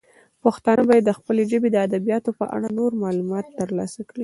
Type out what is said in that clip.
پښتانه باید د خپلې ژبې د ادبیاتو په اړه نور معلومات ترلاسه کړي.